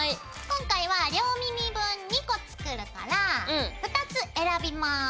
今回は両耳分２個作るから２つ選びます。